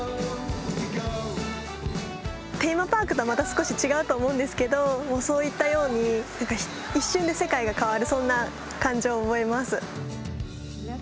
テーマパークとはまた少し違うと思うんですけどそういったようにそんな感情を覚えます。